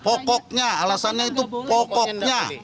pokoknya alasannya itu pokoknya